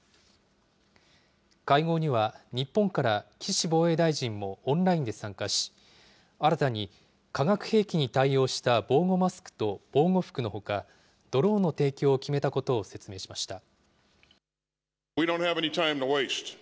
会合には、日本から岸防衛大臣もオンラインで参加し、新たに化学兵器に対応した防護マスクと防護服のほか、ドローンの提供を決めたことを説明しました。